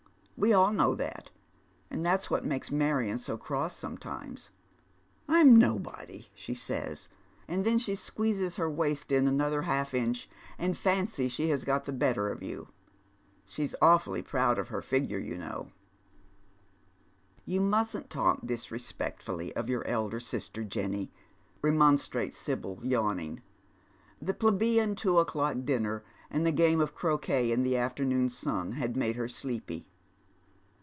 We all know that, andtliat's what makes Marion so cross 8ometimes. ' I'm nobody,' she says ; and then she squeezes her waist in another half incli, and fancies she has got the better of you. She's awfully proud of her figure, you know," "You mustn't talk disrespectlully of your elder sister, Jenny," remonstrates Sibyl, yawning. Tlie plebeian two o'clock dinner, and the game of croquet in the afternoon sun have made her sleepy.